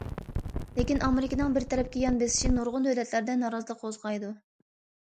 لېكىن، ئامېرىكىنىڭ بىر تەرەپكە يان بېسىشى نۇرغۇن دۆلەتلەردە نارازىلىق قوزغايدۇ.